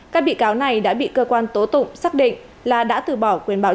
các bị cáo này đã bị cơ quan tố tụng xác định là đã từ bỏ quyền bảo